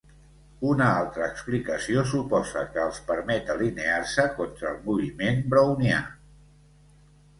Una altra explicació suposa que els permet alinear-se contra el moviment brownià.